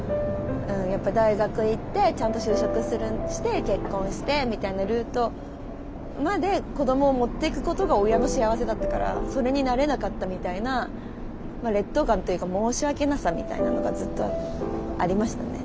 やっぱ大学行ってちゃんと就職して結婚してみたいなルートまで子どもを持っていくことが親の幸せだったからそれになれなかったみたいなまあ劣等感というか申し訳なさみたいなのがずっとありましたね